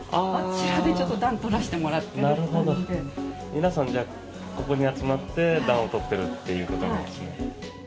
皆さん、ここに集まって暖を取っているということなんですね。